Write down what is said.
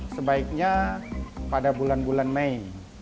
sebaiknya pada bulan bulan mei